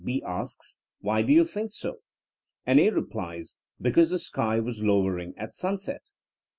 * B asks, ^Why do you think soV And A replies, * Because the sky was lowering at sunset.